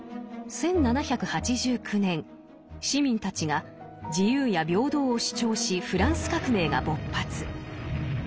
１７８９年市民たちが自由や平等を主張しフランス革命が勃発。